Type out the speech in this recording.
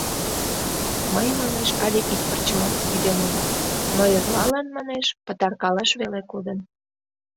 Мый, манеш, але ик пырчымат ӱден омыл, но эрлалан, манеш, пытаркалаш веле кодын.